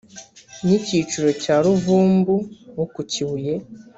ni icyiciro cya ruvumbu wo ku kibuye